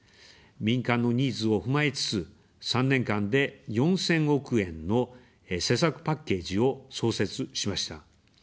民間のニーズを踏まえつつ、３年間で４０００億円の施策パッケージを創設しました。